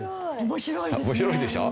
面白いですね。